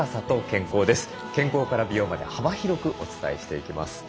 健康から美容まで幅広くお伝えしていきます。